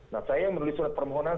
nah saya yang menulis surat permohonan